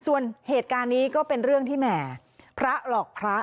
ส่วนเหตุการณ์นี้ก็เป็นเรื่องที่แหมพระหลอกพระ